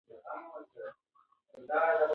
ماشوم په خپله غېږ کې یو زوړ ټوکر نیولی و.